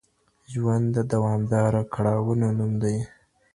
ژوند د دوامداره کړاوونو نوم دی.